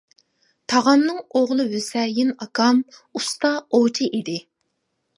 تاغامنىڭ ئوغلى ھۈسەيىن ئاكام ئۇستا ئوۋچى ئىدى.